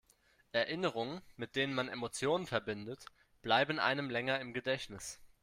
Erinnerungen, mit denen man Emotionen verbindet, bleiben einem länger im Gedächtnis.